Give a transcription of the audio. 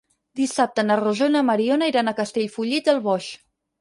Dissabte na Rosó i na Mariona iran a Castellfollit del Boix.